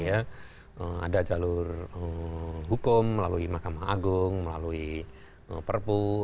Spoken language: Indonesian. ada jalur hukum melalui mahkamah agung melalui perpu